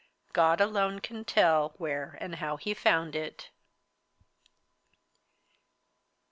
God alone can tell where and how he found it.